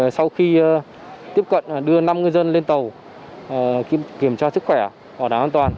sau khi tiếp cận đưa năm ngư dân lên tàu kiểm tra sức khỏe họ đã an toàn